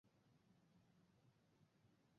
তিনি মূলত স্বশিক্ষিত ছিলেন।